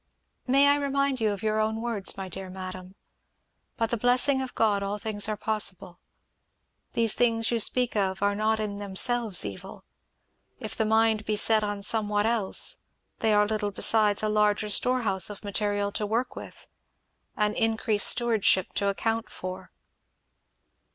"May I remind you of your own words, my dear madam? By the blessing of God all things are possible. These things you speak of are not in themselves evil; if the mind be set on somewhat else, they are little beside a larger storehouse of material to work with an increased stewardship to account for."